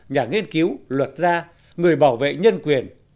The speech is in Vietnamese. nhà nghiên cứu luật gia người bảo vệ nhân quyền